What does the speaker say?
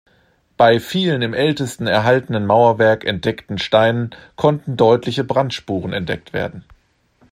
Bei vielen im ältesten, erhaltenen Mauerwerk entdeckten Steinen, konnten deutliche Brandspuren entdeckt werden.